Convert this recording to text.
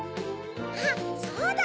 あっそうだ！